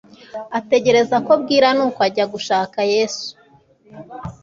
ategereza ko bwira nuko ajya gushaka Yesu.